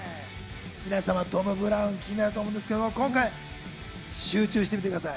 皆様、トム・ブラウン、気になると思うんで、今回集中して見てください。